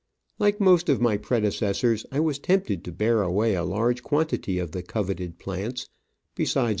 Like most of my predecessors, I was tempted to bear away a large quantity of the coveted plants, besides